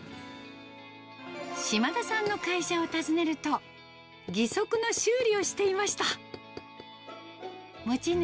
島田さんの会社を訪ねると、義足の修理をしていました。